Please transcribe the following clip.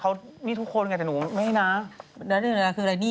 เพราะที่แจ้ชีนรอลานี่ทุกคนไงแต่หนู